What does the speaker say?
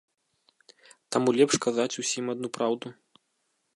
Таму лепш казаць усім адну праўду.